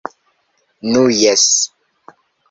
Nu jes.